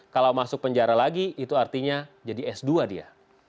kalau masuk penjara lagi itu artinya jadi s dua dia